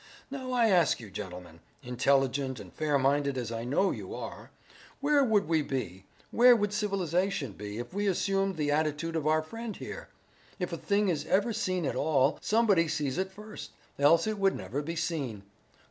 Now, I ask you, gentlemen, intelligent and fair minded as I know you are, where would we be, where would civilization be if we assumed the attitude of our friend here. If a thing is ever seen at all somebody sees it first, else it would never be seen.